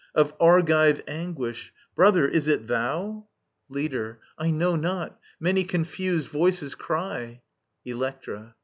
Of Argivc anguish I — Brother, is it thou ? Leader. I know not. Many confused voices cry ••• Electra.